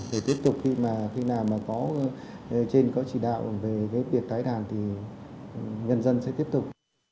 thì tiếp tục khi nào mà có trên có chỉ đạo về cái việc tái đàn thì nhân dân sẽ tiếp tục